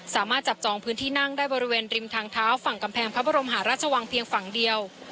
สามารถจับจองพื้นที่นั่งได้บริเวณริมทางเท้าฝั่งกำแพงพระบรมหาราชวังเพียงฝั่งเดียว